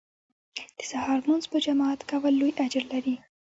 د سهار لمونځ په جماعت کول لوی اجر لري